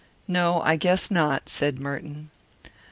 "No, I guess not," said Merton.